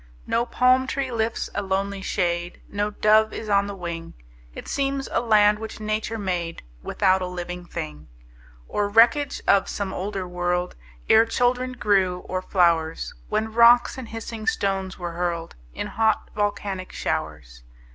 No palm tree lifts a lonely shade, No dove is on the wing; It seems a land which Nature made Without a living thing, Or wreckage of some older world, Ere children grew, or flowers, When rocks and hissing stones were hurled In hot, volcanic showers.